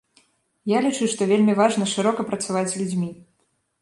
Я лічу, што вельмі важна шырока працаваць з людзьмі.